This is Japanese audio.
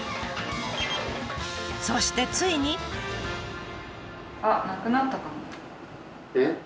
そしてついに。えっ？